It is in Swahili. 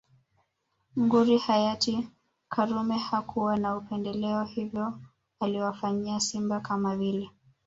Nguri hayati karume hakuwa na upendeleo hivyo aliwafanyia simba kama vile